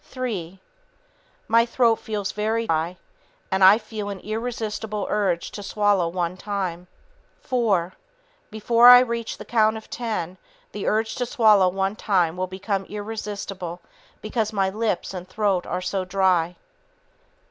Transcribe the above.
Three ... My throat feels very dry, and I feel an irresistible urge to swallow one time. Four ... Before I reach the count of 10, the urge to swallow one time will become irresistible because my lips and throat are so dry.